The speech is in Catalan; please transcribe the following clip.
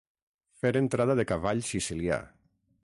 Fer entrada de cavall sicilià.